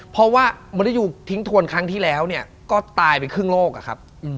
เพราะว่ามริยูทิ้งทวนครั้งที่แล้วก็ตายไปครึ่งโลกอะครับ